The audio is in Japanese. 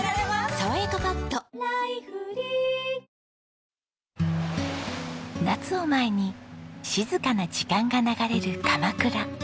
「さわやかパッド」夏を前に静かな時間が流れる鎌倉。